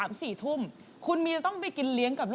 กับพอรู้ดวงชะตาของเขาแล้วนะครับ